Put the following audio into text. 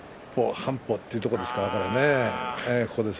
半歩というところですね。